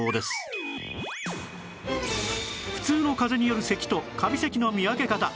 普通のかぜによる咳とカビ咳の見分け方